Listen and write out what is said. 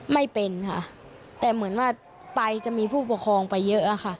ไม่เป็นค่ะแต่เหมือนว่าไปจะมีผู้ปกครองไปเยอะอะค่ะ